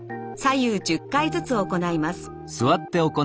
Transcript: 左右１０回ずつ行います。